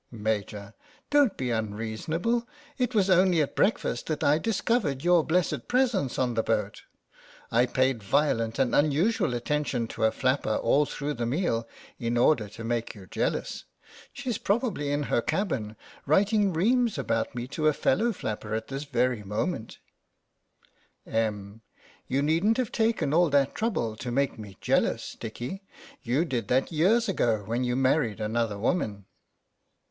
Maj\ : Don't be unreasonable. It was only at breakfast that I discovered your blessed presence on the boat. I paid violent and unusual attention to a flapper all through the meal in order to make you jealous. She's probably in her cabin writing reams about me to a fellow flapper at this very moment. io8 THE BAKER'S DOZEN Em. : You needn't have taken all that trouble to make me jealous, Dickie. You did that years ago, when you married another woman.